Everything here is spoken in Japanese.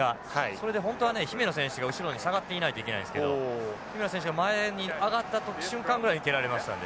それで本当はね姫野選手が後ろに下がっていないといけないんですけど姫野選手が前に上がった瞬間ぐらいに蹴られましたので。